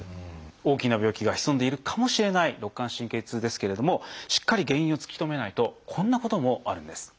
大きな病気が潜んでいるかもしれない肋間神経痛ですけれどもしっかり原因を突き止めないとこんなこともあるんです。